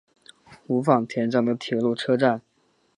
五反田站的铁路车站。